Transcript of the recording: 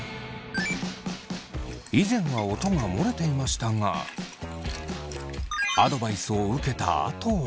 以前は音が漏れていましたがアドバイスを受けたあとは。